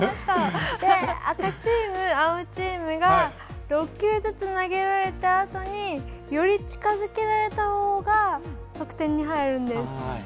赤チーム、青チームが６球ずつ投げ終えたあとにより近づけられたほうが得点が入るんです。